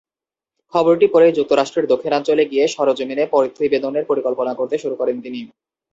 খবরটি পড়েই যুক্তরাষ্ট্রের দক্ষিণাঞ্চলে গিয়ে সরেজমিন প্রতিবেদনের পরিকল্পনা করতে শুরু করেন তিনি।